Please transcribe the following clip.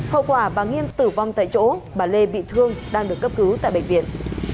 hậu quả bà nghiêm tử vong tại chỗ bà lê bị thương đang được cấp cứu tại bệnh viện